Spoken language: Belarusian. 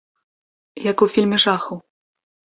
Як у фільме жахаў.